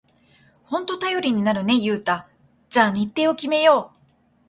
ほんと頼りになるね、ユウタ。じゃあ日程を決めよう！